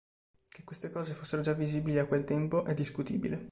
Che queste cose fossero già visibili a quel tempo, è discutibile.